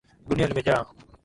Gunia limejaa.